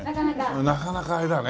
なかなかあれだね。